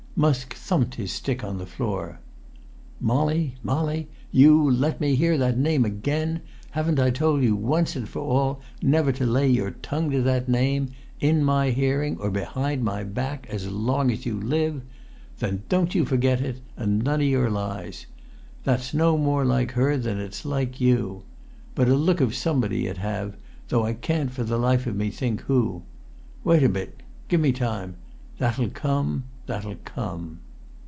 Musk thumped his stick on the floor. "Molly? Molly? You let me hear that name again![Pg 14] Haven't I told you once and for all never to lay your tongue to that name, in my hearing or behind my back, as long as you live? Then don't you forget it; and none o' your lies. That's no more like her than that's like you. But a look of somebody it have, though I can't for the life of me think who. Wait a bit. Give me time. That'll come—that'll come!"